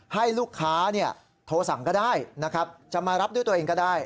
ให้ลูกค้าโทรสั่งก็ได้นะครับจะมารับด้วยตัวเองก็ได้